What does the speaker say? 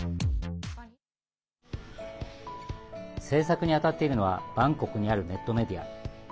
制作にあたっているのはバンコクにあるネットメディア。